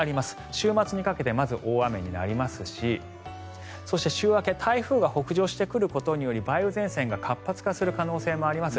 週末にかけてまず大雨になりますしそして、週明け台風が北上してくることにより梅雨前線が活発化する可能性もあります。